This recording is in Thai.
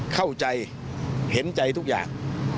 เข้าใจเห็นใจทุกอย่าง